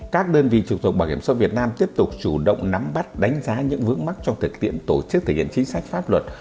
các đơn vị trục tục bảo hiểm số việt nam tiếp tục chủ động nắm bắt đánh giá những vững mắt trong thực tiễn tổ chức thực hiện chính sách pháp luật